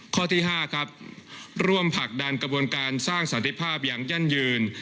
ข้อที่๕ครับร่วมผลักดันกระบวนการสร้างสันติภาพอย่างยั่งยืน